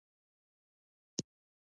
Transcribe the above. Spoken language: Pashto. مځکه بېعدالتۍ ته نه خوښېږي.